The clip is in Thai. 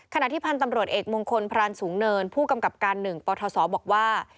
ที่พันธ์ตำรวจเอกมงคลพรานสูงเนินผู้กำกับการ๑ปทศบอกว่า